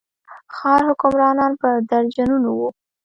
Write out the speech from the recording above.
ښار حکمرانان په درجنونو وو.